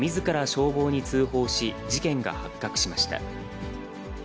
消防に通報し、事件が発覚しました。